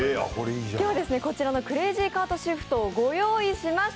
今日はこちらのクレイジーカートシフトをご用意しました！